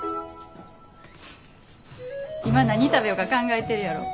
今何食べようか考えてるやろ。